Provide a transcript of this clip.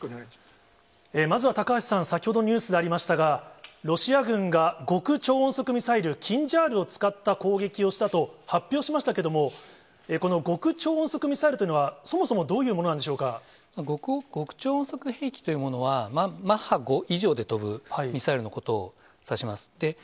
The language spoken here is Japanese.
まずは高橋さん、先ほどニュースでありましたが、ロシア軍が極超音速ミサイル、キンジャールを使った攻撃をしたと発表しましたけれども、この極超音速ミサイルというのは、そもそも、どういうものなんでし極超音速兵器というものは、マッハ５以上で飛ぶミサイルのことを指します。